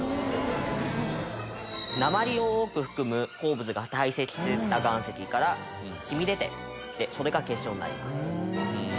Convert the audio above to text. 鉛を多く含む鉱物が堆積した岩石から染み出てそれが結晶になります。